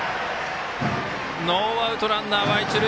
ノーアウト、ランナーは一塁。